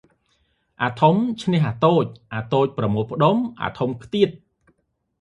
អា៎ធំឈ្នះអា៎តូច អា៎តូចប្រមូលផ្តុំ អា៎ធំខ្ទាត ។